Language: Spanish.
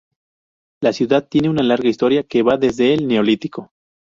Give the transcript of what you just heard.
La ciudad tiene una Larga historia que va desde el Neolítico.